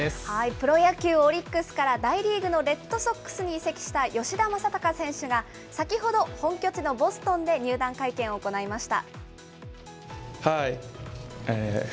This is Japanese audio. プロ野球・オリックスから大リーグのレッドソックスに移籍した吉田正尚選手が、先ほど本拠地のボストンで入団会見を行いました。